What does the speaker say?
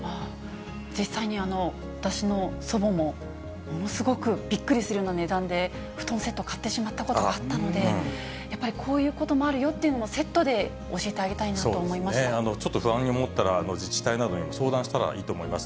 実際に私の祖母も、ものすごくびっくりするような値段で布団セットを買ってしまったことがあったので、やっぱり、こういうこともあるよというのをセットで教えてあげたいなと思いそうですね、ちょっと不安に思ったら、自治体などに相談したらいいと思います。